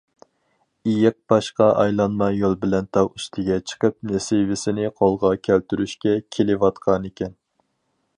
ئېيىق باشقا ئايلانما يول بىلەن تاغ ئۈستىگە چىقىپ نېسىۋىسىنى قولغا كەلتۈرۈشكە كېلىۋاتقانىكەن.